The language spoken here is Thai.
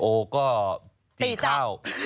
โอ้ก็ตีจับ